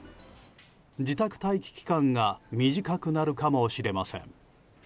自宅待機期間が短くなるかもしれません。